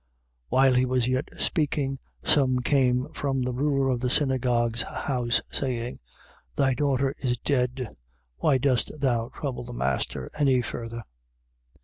5:35. While he was yet speaking, some come from the ruler of the synagogue's house, saying: Thy daughter is dead: why dost thou trouble the master any further?